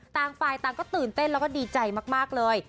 ต่างฝ่ายต่างก็ตื่นเต้นแล้วก็ดีใจมากเลย